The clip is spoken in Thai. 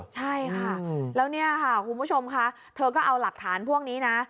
ใช่ค่ะแล้วเนี่ยค่ะคุณผู้ชมค่ะเธอก็เอาหลักฐานพวกนี้นะ